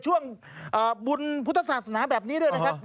ช่วงบุญพุทธศาสนาแบบนี้ด้วยนะครับ